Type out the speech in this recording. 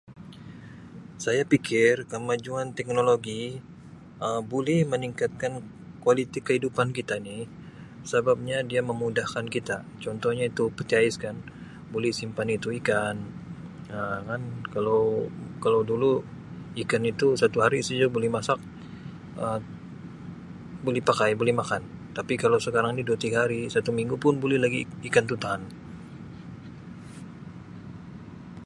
Saya pikir kemajuan teknologi Um buli meningkatkan kualiti kehidupan kita ni sebabnya dia memudahkan kita contohnya itu peti ais kan boleh simpan itu ikan Um kan kalau kalau dulu ikan itu satu hari saja boleh masak Um boleh pakai boleh makan tapi kalau sekarang ini dua tiga hari satu minggu pun buli lagi ikan tu tahan.